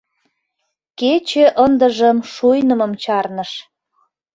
Кече ындыжым шуйнымым чарныш.